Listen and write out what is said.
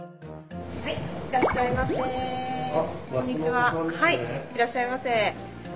はいいらっしゃいませ。